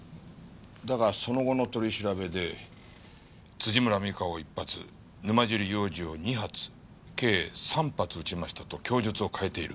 だがその後の取り調べで「辻村美香を１発沼尻洋二を２発計３発撃ちました」と供述を変えている。